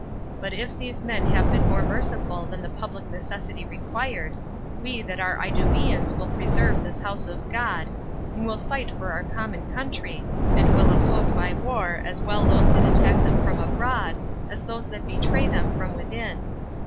But if these men have been more merciful than the public necessity required, we that are Idumeans will preserve this house of God, and will fight for our common country, and will oppose by war as well those that attack them from abroad, as those that betray them from within.